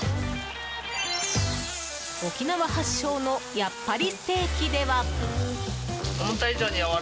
沖縄発祥のやっぱりステーキでは。